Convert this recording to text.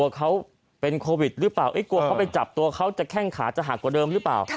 เขาเป็นโควิดหรือเปล่ากลัวเขาไปจับตัวเขาจะแข้งขาจะหักกว่าเดิมหรือเปล่า